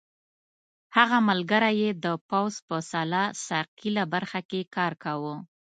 هغه ملګری یې د پوځ په سلاح ساقېله برخه کې کار کاوه.